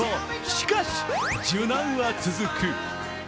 しかし受難は続く。